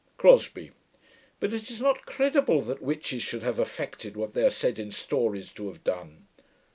CROSBIE. 'But it is not credible, that witches should have effected what they are said in stories to have done.'